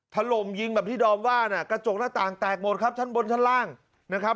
ถล่มยิงแบบที่ดอมว่าน่ะกระจกหน้าต่างแตกหมดครับชั้นบนชั้นล่างนะครับ